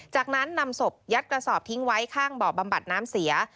จากนั้นนำศพยัดกระสอบทิ้งไว้ข้างบ่อบำบัดน้ำเสีย